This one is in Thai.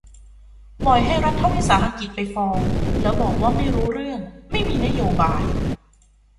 ปล่อยให้รัฐวิสาหกิจไปฟ้อง แล้วบอกว่าไม่รู้เรื่อง ไม่มีนโยบาย